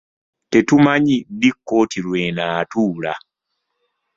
Tetumanyi ddi kkooti lw'enaatuula.